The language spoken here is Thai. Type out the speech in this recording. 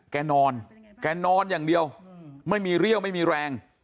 แกนอนแกนอนอย่างเดียวไม่มีเรี่ยวไม่มีแรง